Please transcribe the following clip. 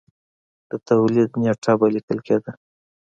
د تولید نېټه به لیکل کېده